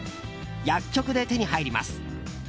薬局で手に入ります。